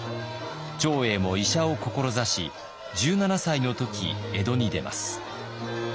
長英も医者を志し１７歳の時江戸に出ます。